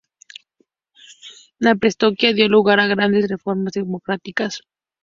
La perestroika dio lugar a grandes reformas democráticas.